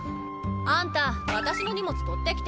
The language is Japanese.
あんた私の荷物取ってきてよ。